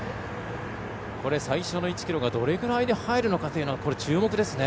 最初の１ｋｍがどれぐらいで入るのかというのは注目ですね。